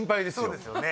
そうですよね？